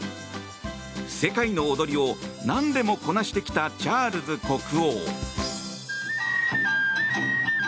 世界の踊りを何でもこなしてきたチャールズ国王。